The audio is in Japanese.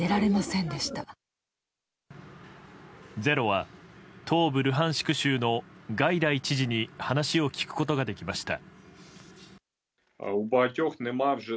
「ｚｅｒｏ」は東部ルハンシク州のガイダイ知事に話を聞くことができました。